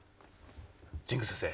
神宮先生